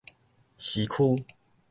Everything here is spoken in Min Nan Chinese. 時區